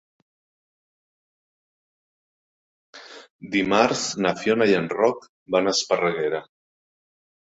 Dimarts na Fiona i en Roc van a Esparreguera.